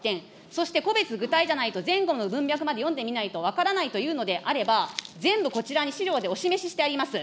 そして、個別具体じゃないと、前後の文脈まで読んでみないと分からないというのであれば、全部こちらに資料でお示ししてあります。